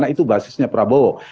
itu basisnya prabowo